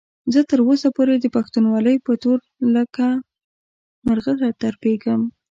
زه تر اوسه پورې د پښتونولۍ په تور لکه مرغه ترپېږم.